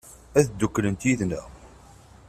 Ad dduklent yid-neɣ?